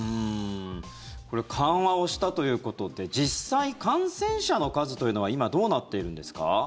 これ緩和をしたということで実際、感染者の数というのは今どうなっているんですか？